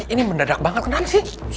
ini mendadak banget enak sih